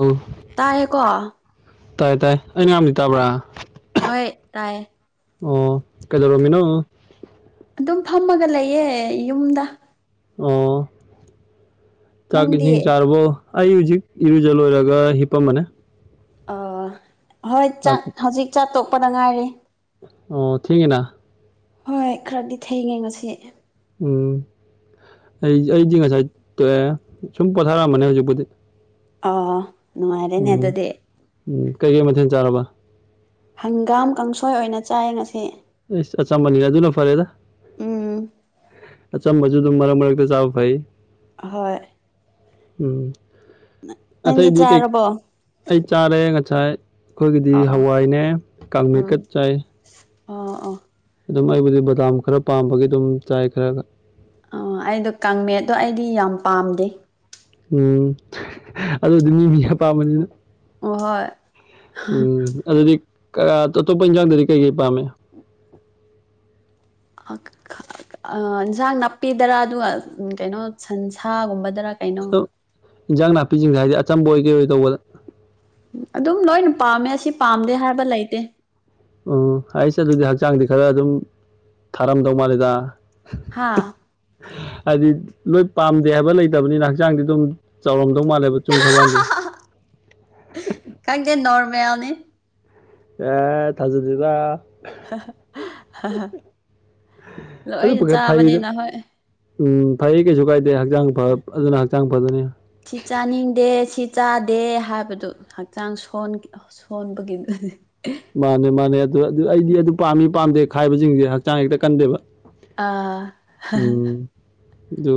ꯑ ꯇꯥꯏꯌꯦꯦꯀꯣ ꯇꯥꯏ ꯇꯥꯏ ꯑꯩ ꯉꯝꯗꯤ ꯇꯥꯕ꯭ꯔꯥ ꯍꯣꯏ ꯇꯥꯏ ꯑꯣ ꯀꯩꯗꯧꯔꯝꯃꯤꯅꯣ ꯑꯗꯨꯝ ꯐꯝꯃꯒ ꯂꯩꯌꯦ ꯌꯨꯝꯗ ꯑꯣ ꯇ ꯅꯪꯗꯤ ꯀꯁꯤꯡ ꯆꯥꯔꯔꯕꯣ ꯑꯩ ꯍꯧꯖꯤꯛ ꯏꯔꯨꯖ ꯂꯣꯏꯔꯒ ꯍꯤꯞꯄꯝꯝꯕꯅꯦ ꯑ ꯍꯣꯏ ꯉꯥꯛ ꯆꯥꯛ ꯍꯧꯖꯤꯛ ꯆꯥꯛ ꯇꯣꯛꯄꯗ ꯉꯥꯏꯔꯤ ꯑꯣ ꯊꯦꯡꯅꯥ ꯍꯣꯏ ꯈꯔꯗꯤ ꯊꯦꯡꯉꯦ ꯉꯁꯤ ꯎꯝ ꯑꯩ ꯑꯩꯗꯤ ꯉꯁꯥꯏ ꯇꯣꯛꯑꯦ ꯁꯨꯝ ꯄꯣꯊꯥꯔꯛꯑꯝꯕꯅꯦ ꯍꯧꯖꯤꯛꯄꯨꯗꯤ ꯑꯥ ꯅꯨꯡꯉꯥꯏꯔꯦꯅꯦ ꯎꯝ ꯑꯗꯨꯗꯤ ꯎꯝ ꯀꯩꯀꯩ ꯃꯊꯦꯜ ꯆꯥꯔꯕ ꯍꯪꯒꯥꯝ ꯀꯥꯡꯁꯣꯏ ꯑꯣꯏꯅ ꯆꯥꯏ ꯉꯁꯤ ꯑꯦ ꯑꯆꯝꯕꯅꯤꯅ ꯑꯗꯨꯅ ꯐꯔꯦꯗ ꯎꯝ ꯑꯆꯥꯝ ꯃꯖꯗ ꯇꯝꯃꯔ ꯃ ꯃꯔꯒ ꯆꯥꯎ ꯐꯥꯏ ꯍꯣꯏ ꯎꯝ ꯅꯪꯗꯤ ꯑꯇꯩꯗꯤ ꯀꯩ ꯆꯥꯔꯕꯣ ꯑꯩ ꯆꯥꯔꯦ ꯉꯁꯥꯏ ꯑꯩꯈꯣꯏꯒꯤꯗꯤ ꯑꯥ ꯍꯋꯥꯏꯅꯦ ꯀꯥꯡꯃꯦꯩꯀꯠ ꯆꯥꯏ ꯑꯥ ꯑ ꯑꯗꯨꯝ ꯑꯩꯕꯨꯗꯤ ꯕꯗꯥꯝ ꯈꯔ ꯄꯥꯝꯕꯒꯤ ꯑꯗꯨꯝ ꯆꯥꯏ ꯈꯔ ꯑ ꯑꯩꯗꯣ ꯀꯥꯡꯃꯦꯠꯇꯣ ꯑꯩꯗꯤ ꯌꯥꯝ ꯄꯥꯝꯗꯦ ꯎꯝ ꯑꯗꯨꯗꯤ ꯃꯤ ꯃꯤꯅꯄꯥꯝꯕꯅꯤꯅ ꯑꯣ ꯍꯣꯏ ꯎꯝ ꯑꯗꯨꯗꯤ ꯑꯇꯣꯞꯄ ꯏꯖꯥꯡꯗꯗꯤ ꯀꯩ ꯀꯩ ꯄꯥꯝꯃꯦ ꯑ ꯏꯟꯁꯥꯡ ꯅꯥꯄꯤꯗꯔ ꯑꯗꯨꯒ ꯀꯩꯅꯣ ꯁꯟꯁꯥꯒꯨꯝꯕꯗꯔ ꯀꯩꯅꯣ ꯑꯗꯣ ꯏꯟꯖꯥꯡ ꯅꯥꯄꯤꯁꯤꯡꯁꯦ ꯍꯥꯏꯗꯤ ꯑꯆꯝꯕ ꯑꯣꯏ ꯀꯩ ꯑꯣꯏ ꯇꯧꯕꯗ ꯑꯗꯨꯝ ꯂꯣꯏꯅ ꯄꯥꯝꯃꯦ ꯑꯁꯤ ꯄꯥꯝꯗꯦ ꯍꯥꯏꯕ ꯂꯩꯇꯦ ꯎꯝ ꯑꯩꯁꯦ ꯑꯗꯨꯗꯤ ꯍꯛꯆꯥꯡꯗꯤ ꯈꯔ ꯑꯗꯨꯝ ꯊꯥꯔꯝꯗꯧ ꯃꯥꯜꯂꯦꯗ ꯍꯥꯥ ꯎ ꯍꯥꯏꯗꯤ ꯂꯣꯏ ꯄꯥꯝꯗꯦ ꯍꯥꯏꯕ ꯂꯩꯇꯕꯅꯤꯅ ꯍꯛꯆꯥꯡꯗꯤ ꯑꯗꯨꯝ ꯆꯥꯎꯔꯝꯗꯧ ꯃꯥꯜꯂꯦꯕ ꯆꯨꯝ ꯁꯧꯕꯥꯟꯁꯦ ꯈꯪꯗꯦ ꯅꯣꯔꯃꯦꯜꯅꯤ ꯑꯦ ꯊꯥꯖ ꯊꯗ ꯑꯗꯨ ꯂꯣꯏꯅ ꯐꯩꯗ ꯆꯥꯕꯅꯤꯅ ꯍꯣꯏ ꯎꯝ ꯐꯩ ꯀꯩꯁꯨ ꯀꯥꯏꯗꯦ ꯍꯛꯆꯥꯡ ꯐ ꯑꯗꯨꯅ ꯍꯛꯆꯥꯡ ꯐꯗꯨꯅꯤ ꯁꯤ ꯆꯥꯅꯤꯡꯗꯦ ꯁꯤ ꯆꯥꯗꯦ ꯍꯥꯏꯕꯗꯨ ꯍꯛꯆꯥꯡ ꯁꯣꯟꯕꯒꯤ ꯃꯥꯅꯦ ꯃꯥꯅꯦ ꯑꯗꯨ ꯑꯗꯨ ꯑꯩꯗꯤ ꯑꯗꯨ ꯄꯥꯝꯃꯤ ꯄꯥꯝꯗꯦ ꯈꯥꯏꯕꯁꯤꯡꯁꯦ ꯍꯛꯆꯥꯡ ꯍꯦꯛꯇ ꯀꯟꯗꯦꯕ ꯑꯥ ꯎꯝ ꯑꯗꯨ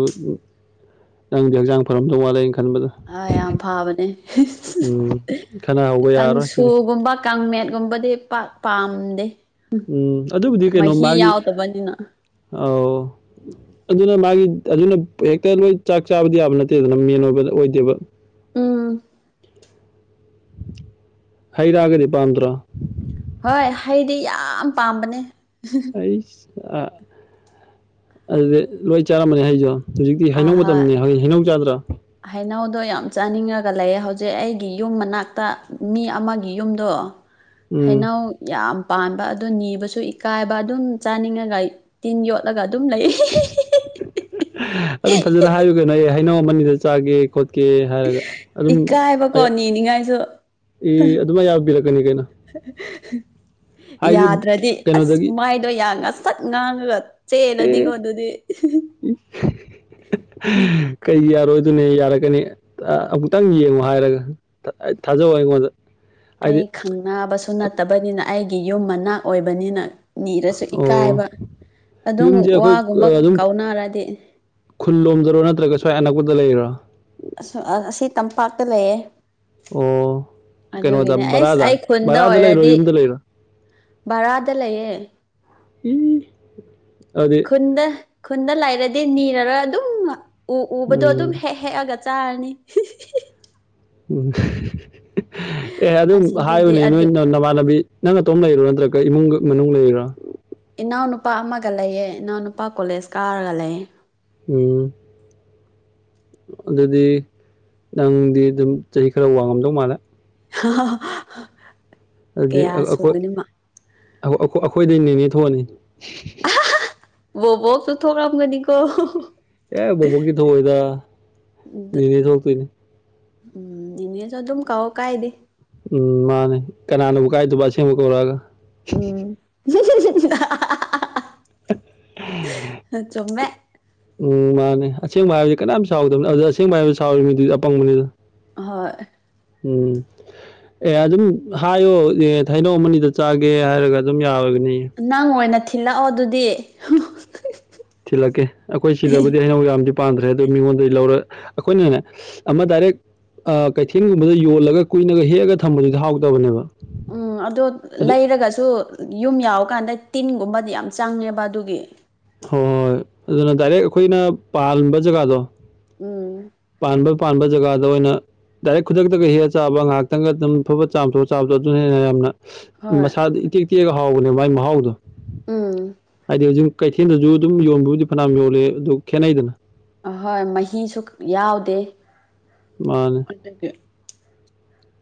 ꯅꯪꯗꯤ ꯍꯛꯆꯥꯡ ꯐꯔꯝꯗꯧ ꯋꯥꯠꯂꯦꯩꯅ ꯈꯟꯕꯗꯣ ꯑ ꯌꯥꯝ ꯐꯕꯅꯦ ꯈꯠꯅꯍꯧꯕ ꯌꯥꯔꯔꯣꯏ ꯁꯤꯗꯤ ꯀꯥꯡꯁꯨꯒꯨꯝꯕ ꯀꯥꯡꯃꯦꯠꯀꯨꯝꯕꯗꯤ ꯄ ꯄꯥꯝꯗꯦ ꯎꯝ ꯑꯗꯨꯕꯨꯗꯤ ꯀꯩꯅꯣ ꯃꯍꯤ ꯃꯥꯒꯤ ꯌꯥꯎꯗꯕꯅꯤꯅ ꯑꯥꯎ ꯑꯗꯨꯅ ꯃꯥꯒꯤ ꯑꯗꯨꯅ ꯍꯦꯛꯇ ꯂꯣꯏ ꯆꯥꯛ ꯆꯥꯕꯗꯤ ꯌꯥꯕ ꯅꯠꯇꯦꯗꯅ ꯃꯦꯟ ꯑꯣꯏꯕ ꯑꯣꯏꯗꯦꯕ ꯎꯝ ꯍꯩꯔꯛꯑꯒꯗꯤ ꯄꯥꯝꯗ꯭ꯔꯣ ꯍꯣꯏ ꯍꯩꯗꯤ ꯌꯥꯝ ꯄꯥꯝꯕꯅꯦ ꯑꯩ ꯑꯗꯨꯗꯤ ꯂꯣꯏ ꯆꯥꯔꯝꯕꯅꯤ ꯍꯥꯏꯁꯨ ꯍꯧꯖꯤꯛꯇꯤ ꯍꯩꯅꯧ ꯃꯇꯝꯅꯤ ꯍꯩꯅꯧ ꯆꯥꯗ꯭ꯔꯥ ꯍꯩꯅꯎꯗꯣ ꯌꯥꯝ ꯆꯥꯅꯤꯡꯉꯒ ꯂꯩꯌꯦ ꯍꯧꯖꯤꯛ ꯑꯩꯒꯤ ꯌꯨꯝ ꯃꯅꯥꯛꯇ ꯃꯤ ꯑꯃꯒꯤ ꯌꯨꯝꯗꯣ ꯎꯝ ꯍꯅ ꯌꯥꯝ ꯄꯥꯟꯕ ꯑꯗꯨꯣ ꯅꯤꯕꯁꯨ ꯏꯀꯥꯏꯕ ꯑꯗꯨꯝ ꯆꯥꯅꯤꯡꯉꯒ ꯇꯤꯟ ꯌꯣꯠꯂꯒ ꯑꯗꯨꯝ ꯂꯩ ꯑꯗꯨꯝ ꯐꯖꯅ ꯍꯥꯏꯌꯨ ꯀꯩꯅꯣ ꯑꯩ ꯍꯩꯅꯧ ꯑꯃꯅꯤꯗ ꯆꯥꯒꯦ ꯈꯣꯠꯀꯦ ꯍꯥꯏꯔꯒ ꯑꯗꯨꯝ ꯏꯀꯥꯏꯕꯀꯣ ꯅꯤꯅꯤꯡꯉꯥꯏꯁꯨ ꯑꯦ ꯑꯗꯨꯃꯥꯏ ꯌꯥꯕꯤꯔꯛꯀꯅꯤ ꯀꯩꯅꯣ ꯍꯥꯏꯗꯤ ꯌꯥꯗ꯭ꯔꯗꯤ ꯑꯁ ꯀꯩꯅꯣꯗꯒꯤ ꯃꯥꯏꯗꯣ ꯌꯅꯥ ꯁꯠ ꯉꯥꯡꯉꯒ ꯑꯦ ꯆꯦꯜꯂꯗꯤꯀꯣ ꯑꯗꯨꯗꯤ ꯏ ꯀꯩ ꯌꯥꯔꯣꯏꯗꯨꯅꯦ ꯌꯥꯔꯛꯒꯅꯤ ꯑꯃꯨꯛꯇꯪ ꯌꯦꯡꯉꯣ ꯍꯥꯏꯔꯒ ꯊꯥꯖꯧ ꯑꯩꯉꯣꯟꯗ ꯍꯥꯏꯗꯤ ꯈꯪꯅꯥꯕꯁꯨ ꯅꯠꯇꯕꯅꯤꯅ ꯑꯩꯒꯤ ꯌꯨꯝ ꯃꯅꯥꯛ ꯑꯣꯏꯕꯅꯤꯅ ꯅꯤꯔꯁꯨ ꯑꯣ ꯏꯀꯥꯏꯕ ꯑꯗꯨꯃꯨꯛ ꯌꯨꯝꯁꯦ ꯑꯩꯈꯣꯏ ꯋꯥꯒꯨꯝꯕ ꯑꯗꯨꯝ ꯀꯥꯎꯅꯔꯗꯤ ꯈꯨꯜ ꯂꯣꯝꯗꯔꯣ ꯅꯠꯇ꯭ꯔꯒ ꯁ꯭ꯋꯥꯏ ꯑꯅꯛꯄꯗ ꯂꯩꯔꯣ ꯑꯁꯤ ꯇꯝꯄꯥꯛꯇ ꯂꯩꯌꯦ ꯑꯣ ꯀꯩꯅꯣꯗ ꯑꯗꯨꯒꯤꯅꯦ ꯑꯩꯁ ꯕꯔꯥꯗ ꯑꯩ ꯈꯨꯟꯗ ꯕꯔꯥꯗ ꯂꯩꯔꯣ ꯑꯣꯏꯔꯗꯤ ꯌꯨꯝꯗ ꯂꯩꯔꯣ ꯕꯔꯥꯗ ꯂꯩꯌꯦ ꯎꯝ ꯑꯗꯤ ꯈꯨꯟꯗ ꯈꯨꯟꯗ ꯂꯩꯔꯗꯤ ꯅꯤꯔꯒ ꯑꯗꯨꯝ ꯎ ꯎꯕꯗꯣ ꯎꯝ ꯑꯗꯨꯝ ꯍꯦꯛ ꯍꯦꯛꯑꯒ ꯆꯥꯔꯅꯤ ꯎꯝ ꯑꯦ ꯑꯗꯨꯝ ꯑꯁꯤꯗꯗꯤ ꯍꯥꯏꯌꯨꯅꯦ ꯅꯣꯏ ꯑꯗꯨ ꯅꯃꯥꯟꯅꯕꯤ ꯅꯪ ꯅꯇꯣꯝ ꯂꯩꯔꯣ ꯅꯠꯇ꯭ꯔꯒ ꯏꯃꯨꯡ ꯃꯅꯨꯡ ꯂꯩꯔꯣ ꯏꯅꯥꯎꯅꯨꯄꯥ ꯑꯃꯒ ꯂꯩꯌꯦ ꯏꯅꯥꯎꯅꯨꯄꯥ ꯀꯣꯂꯦꯖ ꯀꯥꯔꯒ ꯂꯩ ꯎꯝ ꯑꯗꯨꯗꯤ ꯅꯪꯗꯤ ꯑꯗꯨꯝ ꯆꯍꯤ ꯈꯔ ꯋꯥꯡꯉꯝꯗꯧ ꯃꯥꯜꯂꯦ [unintelligible] ꯗꯨꯗꯤ ꯀꯌꯥ ꯑꯩꯈꯣꯏ ꯁꯨꯒꯅꯤ ꯃꯥ ꯑꯩꯈꯣꯏꯗꯩ ꯅꯤꯅꯤ ꯊꯣꯛꯑꯅꯤ ꯕꯣꯕꯣꯛꯁꯨ ꯊꯣꯛꯀꯝ ꯒꯅꯤꯀꯣ ꯑꯦ ꯕꯣꯕꯣꯛꯇꯤ ꯊꯣꯑꯣꯏꯗ ꯅꯤꯅꯦ ꯊꯣꯛꯇꯣꯏꯅꯦ ꯎꯝ ꯏꯅꯦꯁꯨ ꯑꯗꯨꯝ ꯀꯥꯎꯑꯣ ꯀꯥꯏꯗꯤ ꯎꯝ ꯃꯥꯅꯦ ꯀꯅꯥꯅꯕꯨ ꯀꯥꯏꯗꯕ ꯑꯁꯦꯡꯕ ꯀꯧꯔꯛꯑꯒ ꯎꯝ [unintelligible] ꯆꯨꯝꯃꯦ ꯎꯝ ꯃꯥꯅꯦ ꯑꯁꯦꯡꯕ ꯍꯥꯏꯕꯁꯤ ꯀꯅꯥꯝ ꯁꯥꯎꯗꯕꯅꯤ ꯑꯗꯨꯗ ꯑꯁꯦꯡꯕ ꯍꯥꯏꯕꯌ ꯁꯥꯎꯔꯤ ꯃꯤꯗꯨꯗꯤ ꯑꯄꯪꯕꯅꯤꯗ ꯍꯣꯏ ꯎꯝ ꯑꯦ ꯑꯗꯨꯝ ꯍꯥꯏꯌꯣ ꯑꯦ ꯊꯥꯏꯅꯧ ꯑꯄꯅꯤꯗ ꯆꯥꯒꯦ ꯍꯥꯏꯔꯒ ꯑꯗꯨꯝ ꯌꯥꯔꯒꯅꯤ ꯅꯪ ꯑꯣꯏꯅ ꯊꯤꯜꯂꯛꯑꯣ ꯑꯗꯨꯗꯤ ꯊꯤꯜꯂꯛꯀꯦ ꯑꯩꯈꯣꯏ ꯁꯤꯗꯕꯨꯗꯤ ꯍꯩꯅꯧ ꯌꯥꯝꯗꯤ ꯄꯥꯟꯗ꯭ꯔꯦ ꯑꯗꯣ ꯃꯤꯉꯣꯟꯗꯒꯤ ꯂꯧꯔ ꯑꯩꯈꯣꯏꯅꯅꯦ ꯑꯃ ꯗꯥꯏꯔꯦꯛ ꯀꯩꯊꯦꯜꯒꯨꯝꯕꯗ ꯌꯣꯜꯂꯒ ꯀꯨꯏꯅꯒ ꯍꯦꯛꯑꯒ ꯊꯝꯕꯗꯨꯗꯤ ꯍꯥꯎꯗꯕꯅꯦꯕ ꯎꯝ ꯑꯣ ꯂꯩꯔꯒꯁꯨ ꯌꯨꯝ ꯌꯥꯎꯔꯀꯥꯟꯗ ꯇꯤꯟꯒꯨꯝꯕꯗꯤ ꯌꯥꯝ ꯆꯪꯉꯦꯕ ꯑꯗꯨꯒꯤ ꯍꯣꯏ ꯍꯣꯏ ꯑꯗꯨꯅ ꯗꯥꯏꯔꯦꯛ ꯑꯩꯈꯣꯏꯅ ꯄꯥꯟꯕꯥ ꯖꯒꯥꯗꯣ ꯎꯝ ꯄꯥꯟꯕ ꯄꯥꯟꯕ ꯖꯒꯥꯗ ꯑꯣꯏꯅ ꯗꯥꯏꯔꯦꯛ ꯈꯨꯗꯛꯇꯒ ꯍꯦꯛꯑ ꯆꯕ ꯉꯥꯏꯍꯇꯪꯒ ꯑꯗꯨꯝ ꯐꯕ ꯆꯥꯝꯊꯣꯛꯑ ꯆꯥꯝꯗꯣ ꯑꯗꯨꯅ ꯍꯟꯅ ꯌꯥꯝꯅ ꯍꯣꯏ ꯃꯁꯥꯗ ꯏꯇꯦꯛ ꯇꯦꯛꯑ ꯍꯥꯎꯕꯅꯦ ꯃꯥꯏ ꯃꯍꯥꯎꯗꯣ ꯎꯝ ꯍꯥꯏꯗꯤ ꯍꯧꯖꯤꯛ ꯀꯩꯊꯦꯜꯗꯁꯨ ꯑꯗꯨꯝ ꯌꯣꯟꯕꯕꯨꯗꯤ ꯐꯅꯌꯥꯝ ꯌꯣꯜꯂꯦ ꯑꯗꯨ ꯈꯦꯠꯅꯩꯗꯅ ꯑꯍꯣꯏ ꯃꯍꯤꯁꯨ ꯌꯥꯎꯗꯦ ꯃꯥꯅꯦ ꯑꯗꯨ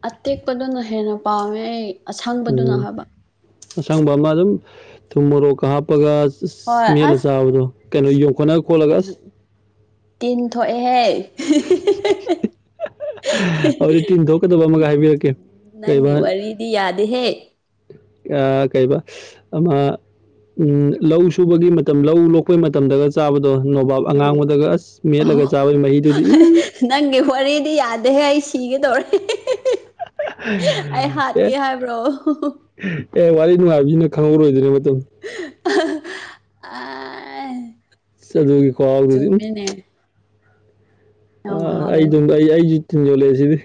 ꯑꯇꯦꯛꯄꯗꯨꯅ ꯍꯦꯟꯅ ꯄꯥꯝꯃꯦ ꯑꯩ ꯑꯁꯪꯕꯗꯨꯅ ꯎꯝ ꯍꯥꯏꯕ ꯑꯁꯪꯕ ꯑꯃ ꯑꯗꯨꯝ ꯊꯨꯝ ꯃꯣꯔꯣꯛꯀ ꯍꯥꯞꯄꯒ ꯍꯣꯏ ꯃꯦꯠꯂ ꯑꯁ ꯆꯥꯕꯗꯣ ꯀꯩꯅꯣ ꯌꯣꯡꯈꯣꯠꯅ ꯇꯤꯟ ꯊꯣꯛꯑꯦꯍꯦ ꯑꯗꯨꯗꯤ ꯇꯤꯟ ꯊꯣꯛꯣꯀꯗꯕ ꯑꯃꯒ ꯍꯥꯏꯕꯤꯔꯛꯀꯦ ꯀꯩꯕ ꯗꯤ ꯌꯥꯗꯦꯍꯦ ꯑ ꯀꯩꯕ ꯑꯃ ꯂꯧ ꯁꯨꯕꯒꯤ ꯃꯇꯝ ꯂꯧ ꯂꯣꯛꯄꯒꯤ ꯃꯇꯝꯗꯒ ꯆꯥꯕꯗꯣ ꯅꯣꯕꯥꯞ ꯎꯝ ꯑꯉꯥꯡꯕꯗꯒ ꯑꯁ ꯑꯣ ꯃꯦꯠꯂꯒ ꯆꯥꯕꯒꯤ ꯃꯍꯤꯗꯨꯗꯤ꯫ ꯅꯪꯒꯤ ꯋꯥꯔꯤꯗꯤ ꯌꯥꯗꯦꯍꯦ ꯑꯩ ꯁꯤꯒꯦꯗꯧꯔꯦ꯫ ꯑꯦ [unintelligible] ꯋꯥꯔꯤ ꯅꯨꯡꯉꯥꯏꯕꯖꯤꯅ ꯈꯪꯍꯧꯔꯣꯏꯗ꯭ꯣꯏꯅꯦ ꯃꯇꯨꯡ [unintelligible] ꯆ ꯑꯗꯨꯒꯤꯈꯨꯍꯥꯎꯗꯨꯗꯤ ꯎꯝ꯫ ꯆꯨꯝꯃꯦꯅꯦ ꯑ ꯌꯥꯝ ꯑ ꯑꯩ ꯍꯥꯎꯔꯅꯤ ꯑꯗꯨꯝ ꯑꯩ ꯑꯩꯖꯨ ꯊꯤꯡꯖꯂꯨꯔꯤꯖꯤꯗꯤ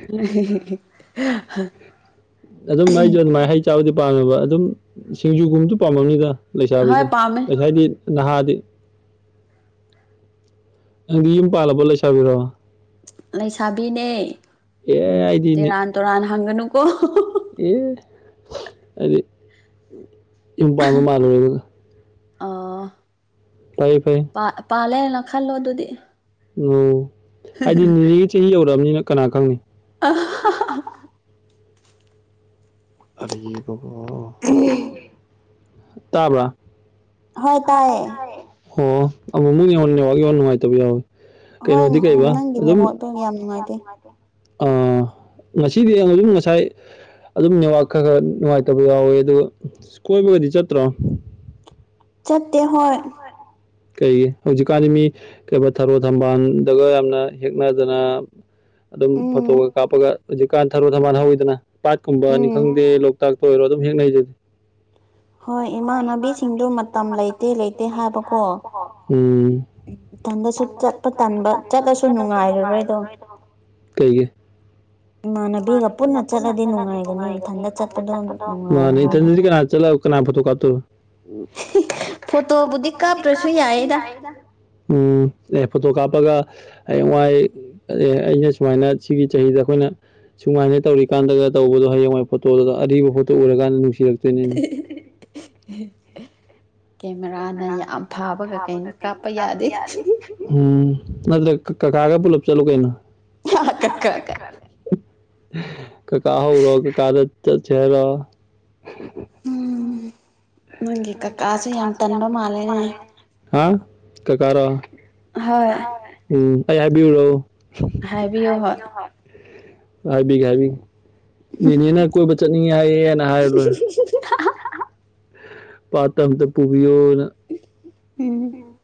[unintelligible] ꯑꯗꯨꯝ ꯑꯩꯖꯨ ꯑꯗꯨꯃꯥꯏꯅ ꯍꯩ ꯆꯥꯕꯗꯤ ꯄꯥꯝꯃꯦꯕ ꯑꯗꯨꯝ ꯁꯤꯡꯖꯨꯒꯨꯝꯕꯗꯨ ꯄꯥꯝꯃꯝꯅꯤꯗ꯫ ꯍꯣꯏ ꯂꯩꯁꯥꯕꯤꯗꯤ ꯄꯥꯝꯃꯦ ꯂꯩꯁꯥꯏꯗꯤ ꯅꯍꯥꯗꯤ꯫ ꯅꯪꯗꯤ ꯌꯨꯝ ꯄꯥꯂꯕꯣ ꯂꯩꯁꯥꯕꯤꯔꯣ꯫ ꯂꯩꯁꯥꯕꯤꯅꯦ ꯎꯝ ꯑꯦ ꯑꯩꯗꯤ ꯅꯤ ꯇꯦꯔꯥꯟ ꯇꯨꯔꯥꯟ ꯍꯥꯡꯒꯅꯨꯀꯣ꯫ ꯑꯦ ꯍꯥꯏꯗꯤ ꯌꯨꯝ ꯄꯥꯟꯕ ꯃꯥꯜꯂꯨꯔꯦ ꯑꯗꯨꯒ ꯑꯥ꯫ ꯐꯩꯌꯦ ꯐꯩ꯫ ꯄꯥ ꯄꯥꯜꯂꯦ ꯂꯧꯁꯜꯂꯣ ꯑꯗꯨꯗꯤ꯫ ꯎꯝ ꯍꯥꯏꯗꯤ ꯅꯦꯅꯦꯒꯤ ꯆꯍꯤ ꯌꯧꯔꯛꯑꯕꯅꯤꯅ ꯀꯅꯥ ꯈꯪꯅꯤ꯫ [unintelligible] ꯑꯔꯤꯕꯒꯣ꯫ [unintelligible] ꯇꯥꯕꯔ ꯍꯣꯏ ꯅꯥꯏꯌꯦ꯫ ꯍꯣ ꯑꯃꯨꯛꯃꯨꯛ ꯌꯦꯡꯉꯣ ꯅꯦꯠꯋꯥꯡ ꯌꯣ ꯅꯨꯡꯉꯥꯏꯇꯕ ꯌꯥꯎꯋꯤ ꯀꯩꯅꯣꯗꯤ ꯀꯩꯕꯥ ꯑꯗꯨꯝ ꯄꯨꯡ ꯌꯥꯝ ꯅꯦꯠꯋꯥꯛꯇꯣ ꯅꯨꯡꯉꯥꯏꯇꯦ꯫ ꯑꯥ ꯉꯁꯤꯗꯤ ꯌꯦꯡ [unintelligible] ꯉꯁꯥꯏ ꯑꯗꯨꯝ ꯅꯦꯠꯋꯥꯛ ꯈꯔ ꯈꯔ ꯅꯨꯡꯉꯥꯏꯇꯕ ꯌꯥꯎꯋꯦ ꯑꯗꯨꯒ ꯀꯣꯏꯕꯒꯗꯤ ꯆꯠꯇ꯭ꯔꯣ꯫ ꯆꯠꯇꯦ ꯑꯩꯈꯣꯏ ꯀꯩꯒꯤ ꯍꯧꯖꯤꯛꯀꯥꯟꯗꯤ ꯃꯤ ꯀꯩꯕ ꯊꯔꯣ ꯊꯝꯕꯥꯟꯗꯒ ꯌꯥꯝꯅ ꯍꯦꯛꯅꯗꯅ꯫ ꯑꯗꯨꯝ ꯎꯝ ꯐꯣꯇꯣꯒ ꯀꯥꯞꯄꯒ ꯍꯧꯖꯤꯛꯀꯥꯟ ꯊꯔꯣ ꯊꯝꯕꯥꯥꯟ ꯍꯧꯋꯤꯗꯅ ꯄꯥꯠꯀꯨꯝꯕꯅꯤ ꯎꯝ ꯈꯪꯗꯦ ꯂꯧ ꯇꯥꯛꯇ ꯑꯣꯏꯔꯣ ꯑꯗꯨꯝ ꯍꯦꯛꯅꯩ ꯗꯨꯗꯤ꯫ ꯍꯣꯏ ꯏꯃꯥꯟꯅꯕꯤꯁꯤꯡꯗꯣ ꯃꯇꯝ ꯂꯩꯇꯦ ꯂꯩꯇꯦ ꯍꯥꯏꯕꯀꯣ꯫ ꯎꯝ꯫ ꯏꯊꯟꯗꯁꯨ ꯆꯠꯄ ꯇꯥꯟꯕ ꯆꯠꯂꯁꯨ ꯅꯨꯡꯉꯥꯏꯔꯔꯣꯏꯗꯣ꯫ ꯀꯩꯒꯤ꯫ ꯏꯃꯥꯟꯅꯕꯤꯒ ꯄꯨꯟꯅ ꯆꯠꯂꯗꯤ ꯅꯨꯡꯉꯥꯏꯒꯅꯤ ꯏꯊꯟꯗ ꯆꯠꯄꯗꯣ ꯃꯥꯅꯤ ꯀꯅꯥ ꯆꯠꯂꯒ ꯀꯅꯥ ꯐꯣꯇꯣ ꯀꯥꯞꯇꯣꯏꯕ ꯐꯣꯇꯣꯕꯨꯗꯤ ꯀꯥꯞꯇ꯭ꯔꯁꯨ ꯌꯥꯏꯗ꯫ ꯎꯝ ꯑꯦ ꯐꯣꯠꯇꯣ ꯀꯥꯞꯄꯒ ꯍꯌꯦꯡꯋꯥꯏ ꯑꯩꯅ ꯁꯨꯃꯥꯏꯅ ꯁꯤꯒꯤ ꯆꯍꯤꯗ ꯑꯩꯈꯣꯏꯅ ꯁꯨꯃꯥꯏꯅ ꯇꯧꯔꯤꯀꯥꯟꯗꯒ ꯇꯧꯕꯗꯣ ꯍꯌꯦꯡꯋꯥꯏ ꯐꯣꯇꯣꯗꯨꯗ ꯑꯔꯤꯕ ꯐꯣꯇꯣ ꯎꯔꯀꯥꯟꯗ ꯅꯨꯡꯁꯤꯔꯛꯇꯣꯏꯅꯤꯅꯦ꯫ [unintelligible] ꯀꯦꯃꯦꯔꯥꯅ ꯌꯥꯝ ꯐꯥꯕꯒ ꯀꯩꯅꯣ ꯀꯥꯞꯄ ꯌꯥꯗꯦ꯫ ꯎꯝ ꯅꯠꯇ꯭ꯔ ꯀꯀꯥꯒ ꯄꯨꯂꯞ ꯆꯂꯨ ꯀꯩꯅꯣ꯫ [unintelligible] ꯀꯀꯥ ꯍꯧꯔꯣ ꯀꯀꯥꯗ ꯆꯠꯁꯦ ꯍꯥꯏꯔꯣ꯫ ꯎꯝ ꯅꯪꯒꯤ ꯀꯀꯥꯖꯦ ꯌꯥꯝ ꯇꯟꯕ ꯃꯥꯜꯂꯦ ꯍꯥ ꯀꯀꯥꯔꯣ꯫ ꯍꯣꯏ꯫ ꯎꯝ ꯑꯩ ꯍꯥꯏꯕꯤꯌꯨꯔꯣ ꯍꯥꯏꯕꯤꯌꯣ ꯍꯣꯏ ꯍꯥꯏꯕꯤꯒꯦ ꯍꯥꯏꯕꯤꯒꯦ꯫ ꯃꯤꯅꯦꯅ ꯀꯣꯏꯕ ꯆꯠꯅꯤꯡꯉꯦ ꯍꯥꯏꯌꯦꯅ ꯍꯥꯏꯔꯨ ꯂꯣꯏꯔꯦ꯫ ꯄꯥꯠꯇ ꯑꯝꯇ ꯄꯨꯕꯤꯌꯣꯅ꯫ ꯎꯝ꯫ ꯎꯝ꯫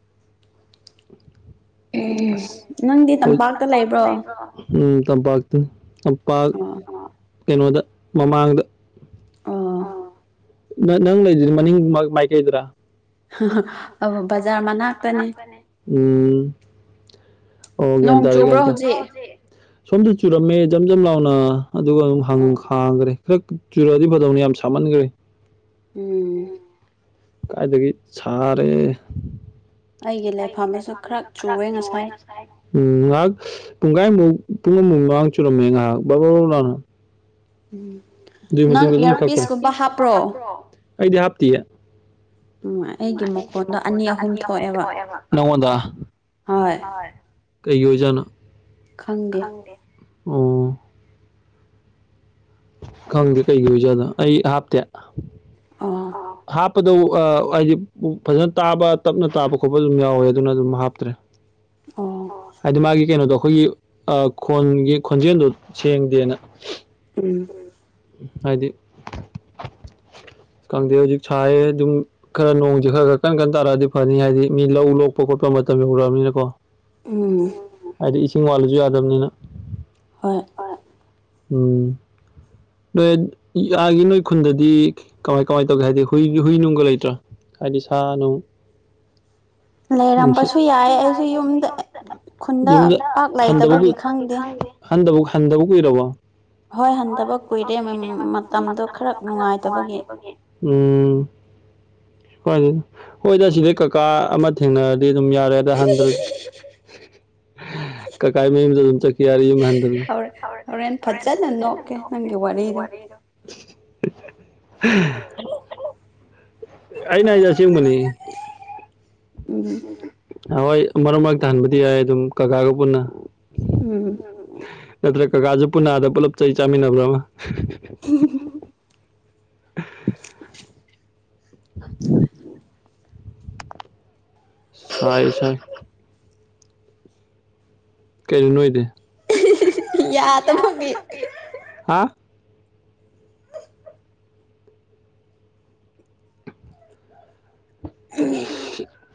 ꯎꯝ ꯅꯪꯗꯤ ꯇꯝꯄꯥꯛꯇ ꯂꯩꯕ꯭ꯔꯣ ꯎꯝ ꯇꯝꯄꯥꯛꯇꯅꯤ ꯇꯝꯄꯥꯛ ꯀꯩꯅꯣꯗ ꯃꯃꯥꯡꯗ ꯑꯣ ꯅꯪ ꯅꯪ ꯂꯩꯗꯨꯗꯤ ꯃꯅꯤꯡ ꯃꯥꯏ ꯀꯩꯗ꯭ꯔꯥ ꯑꯣ ꯕꯖꯔ ꯃꯅꯥꯛꯇꯅꯤ ꯎꯝ ꯑꯣ ꯒꯌꯟ ꯇꯔꯦ ꯅꯣꯡ ꯆꯨꯕꯔꯣ ꯍꯧꯖꯤꯛ ꯁꯣꯝꯗ ꯆꯨꯔꯝꯃꯦ ꯖꯝ ꯖꯝ ꯂꯥꯎꯅ ꯑꯗꯨꯒ ꯑꯗꯨꯝ ꯍꯪ ꯑꯣ ꯈꯥꯡꯈ꯭ꯔꯦ꯫ ꯈꯛ ꯆꯨꯔꯛꯑꯗꯤ ꯐꯗꯧꯅꯤ ꯌꯥꯝ ꯁꯥꯃꯟꯈ꯭ꯔꯦ꯫ ꯎꯝ ꯫ ꯀꯥꯏꯗꯒꯤ ꯁꯥꯔꯦ꯫ ꯑꯩꯒꯤ ꯂꯩꯐꯝꯗꯁꯨ ꯈꯔ ꯆꯨꯑꯦ ꯉꯁꯥꯏ꯫ ꯎꯝ ꯉꯥꯏꯍꯥꯛ ꯄꯨꯡꯈꯥꯏꯃꯐꯥꯎ ꯄꯨꯡ ꯑꯃꯃꯨꯥꯎ ꯃꯥꯡ ꯆꯨꯔꯝꯃꯦ ꯉꯥꯏꯍꯥꯛ ꯕꯕꯥ ꯕ ꯂꯧꯅ꯫ ꯎꯝ ꯫ ꯑꯗꯨꯏ ꯃꯇꯨꯡꯗ ꯑꯗꯨꯝꯛ [unintelligible] ꯑꯩꯗꯤ ꯍꯥꯞꯇꯤꯌꯦ ꯑꯩꯒꯤ ꯃꯈꯣꯟꯗ ꯑꯅꯤ ꯑꯍꯨꯝ ꯊꯣꯛꯑꯦꯕ꯫ ꯍꯣꯏ ꯫ ꯀꯩꯒꯤ ꯑꯣꯏꯖꯥꯠꯅꯣ ꯈꯪꯗꯦ ꯑꯣ꯫ ꯈꯪꯗꯦ ꯀꯩꯒꯤ ꯑꯣꯏꯖꯥꯠꯅꯣ ꯑꯩ ꯍꯥꯞꯇꯦ꯫ ꯑꯣ ꯍꯥꯞꯄꯗꯣ ꯑ ꯍꯥꯏꯗꯤ ꯐꯖꯅ ꯇꯥꯕ ꯇꯞꯅ ꯇꯥꯕ ꯈꯣꯠꯄ ꯑꯗꯨꯝ ꯌꯥꯎꯋꯦ ꯑꯗꯨꯅ ꯑꯗꯨꯝ ꯍꯥꯞꯇ꯭ꯔꯦ꯫ [unintelligible] [inaudible] ꯑꯣ ꯫ ꯍꯥꯏꯗꯤ ꯃꯥꯒꯤ ꯀꯩꯅꯣꯗꯣ ꯑꯩꯈꯣꯏꯒꯤ ꯈꯣꯟꯒꯤ ꯈꯣꯟꯖꯦꯜꯗꯣ ꯁꯦꯡꯗꯦꯅ꯫ ꯎꯝ ꯍꯥꯏꯗꯤ ꯈꯪꯗꯦ ꯍꯧꯖꯤꯛ ꯁꯥꯏꯑꯦ ꯑꯗꯨꯝ꯫ ꯈꯔ ꯅꯣꯡꯁꯦ ꯈꯔ ꯈꯔ ꯀꯟ ꯀꯟ ꯇꯥꯔꯛꯑꯗꯤ ꯐꯅꯤ ꯍꯥꯏꯗꯤ ꯃꯤ ꯂꯧ ꯂꯣꯛꯄ ꯈꯣꯠꯄ ꯃꯇꯝ ꯌꯧꯔꯛꯑꯕꯅꯤꯅꯀꯣ꯫ ꯎꯝ ꯫ ꯍꯥꯏꯗꯤ ꯏꯁꯤꯡ ꯋꯥꯠꯂꯁꯨ ꯌꯥꯗꯕꯅꯤꯅ꯫ ꯍꯣꯏ ꯫ ꯍꯣꯏ ꯎꯝ ꯫ ꯅꯣꯏ ꯌꯥꯥꯒꯤ ꯅꯣꯏ ꯈꯨꯟꯗꯗꯤ ꯀꯃꯥꯏ ꯀꯃꯥꯏ ꯇꯧꯒꯦ ꯍꯥꯏꯗꯤ ꯍꯨꯏ ꯍꯨꯏ ꯅꯨꯡꯒ ꯂꯩꯇ꯭ꯔꯥ꯫ ꯍꯥꯏꯗꯤ ꯁꯥ ꯅꯨꯡ꯫ ꯂꯩꯔꯝꯕꯁꯨ ꯌꯥꯏ ꯑꯩꯁꯨ ꯈꯨꯟꯗ ꯌꯨꯝ ꯄꯥꯛ ꯈꯪꯗꯦ꯫ ꯂꯩꯇꯕꯒꯤ ꯈꯪꯗꯦ ꯍꯟꯗꯕ ꯍꯟꯗꯕꯕꯨ ꯀꯨꯏꯔꯕ꯫ ꯍꯣꯏ ꯍꯟꯊꯕ ꯀꯨꯏꯔꯦ ꯃꯇꯝꯗꯣ ꯈꯔ ꯅꯨꯡꯉꯥꯏꯇꯕꯒꯤ꯫ ꯎꯝ ꯍꯣꯏꯗ ꯁꯤꯗꯩ ꯀꯀꯥ ꯑꯃ꯫ ꯊꯦꯡꯅꯔꯗꯤ ꯑꯗꯨꯝ ꯌꯥꯔꯦ ꯑꯗ ꯍꯟꯗꯔꯁꯨ꯫ ꯀꯀꯥꯏ ꯃꯌꯨꯝꯗ ꯑꯗꯨꯝ ꯆꯈꯤꯌꯥꯔꯦ ꯌꯨꯝ ꯍꯟꯗꯔꯁꯨ꯫ ꯍꯣꯔꯦꯟ ꯍꯣꯔꯦꯟ ꯐꯖꯅ ꯅꯣꯛꯀꯦ ꯅꯪꯒꯤ ꯋꯥꯔꯤꯗꯣ [unintelligible] [inaudible] ꯑꯩꯅ ꯍꯥꯏꯁꯦ ꯑꯁꯦꯡꯕꯅꯤ꯫ ꯎꯝ ꯫ ꯍꯣꯏ ꯃꯔꯛ ꯃꯔꯛꯇ ꯍꯟꯕꯗꯤ ꯌꯥꯏ ꯑꯗꯨꯝ ꯀꯀꯥꯒ ꯄꯨꯟꯅ꯫ ꯎꯝ ꯫ ꯅꯠꯇ꯭ꯔ ꯀꯀꯥꯁꯨ ꯄꯨꯅꯥ ꯑꯥꯗ ꯄꯨꯜꯂꯞ ꯆꯩ ꯆꯥꯃꯤꯟꯅꯕ꯭ꯔꯥ ꯑꯃ ꯎꯝ [unintelligible] [inaudible] ꯎꯝ [unintelligible] [inaudible] ꯁꯥꯏ ꯁꯥꯏ [unintelligible] [inaudible] ꯀꯩꯅꯣ ꯅꯣꯛꯏꯗꯤ ꯌꯥꯗꯕꯒꯤ ꯍꯥ [unintelligible]